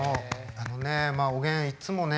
あのねおげんいっつもね